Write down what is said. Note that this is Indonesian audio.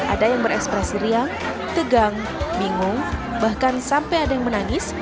ada yang berekspresi riang tegang bingung bahkan sampai ada yang menangis